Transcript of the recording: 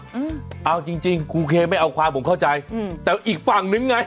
อืมเอาจริงจริงครูเคไม่เอาความผมเข้าใจอืมแต่อีกฝั่งนึงไง